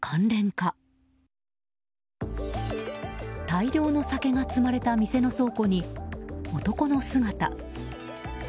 大量の酒が積まれた店の倉庫に男の姿。